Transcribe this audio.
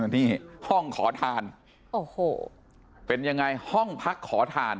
นี่ห้องขอทานโอ้โหเป็นยังไงห้องพักขอทาน